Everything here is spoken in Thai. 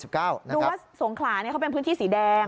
ดูว่าสงขลาเขาเป็นพื้นที่สีแดง